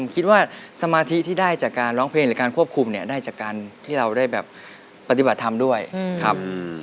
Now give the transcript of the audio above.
คิดว่าสมาธิที่ได้จากการร้องเพลงหรือการควบคุมเนี่ยได้จากการที่เราได้แบบปฏิบัติธรรมด้วยครับ